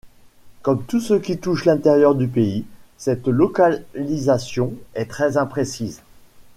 Comme tout ce qui touche l'intérieur du pays, cette localisation est très imprécise.